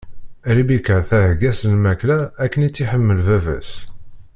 Ribika thegga-as lmakla akken i tt-iḥemmel baba-s.